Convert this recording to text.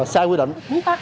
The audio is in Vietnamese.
xa quy định